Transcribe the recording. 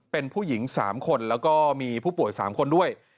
เป็นผู้หญิง๓คนแล้วก็มีผู้ป่วย๓คนด้วย